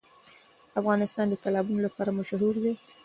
افغانستان د تالابونه لپاره مشهور دی.